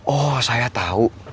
oh saya tau